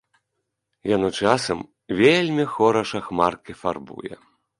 Яно часам вельмі хораша хмаркі фарбуе.